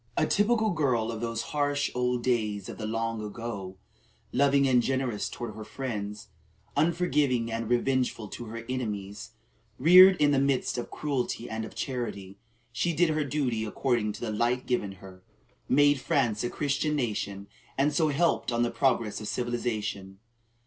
A typical girl of those harsh old days of the long ago, loving and generous toward her friends, unforgiving and revengeful to her enemies, reared in the midst of cruelty and of charity, she did her duty according to the light given her, made France a Christian nation, and so helped on the progress of civilization.